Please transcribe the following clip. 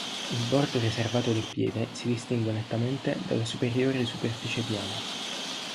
Il bordo riservato del piede si distingue nettamente dalla superiore superficie piana.